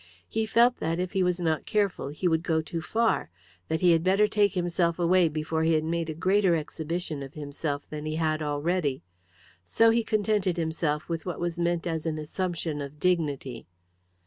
He felt that, if he was not careful, he would go too far; that he had better take himself away before he had made a greater exhibition of himself than he had already. So he contented himself with what was meant as an assumption of dignity.